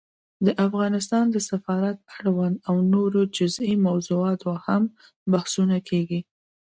د افغانستان د سفارت اړوند او نورو جزيي موضوعاتو هم بحثونه کېږي